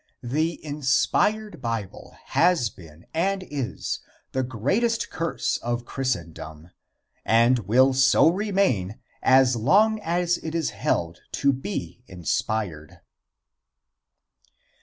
The inspired Bible has been and is the greatest curse of Christendom, and will so remain as long as it is held to be inspired.